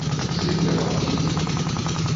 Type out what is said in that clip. Сын я вам ці не?